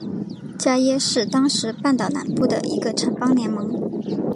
伽倻是当时半岛南部的一个城邦联盟。